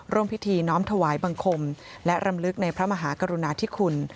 ร่วมพิธีน้อมถวายบังคมและรำลึกในพระมหากรุณาธิคุณ